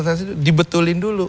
revitalisasi itu dibetulin dulu